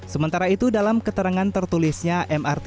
sementara itu dalam keterangan tertulisnya mrt bundaran hi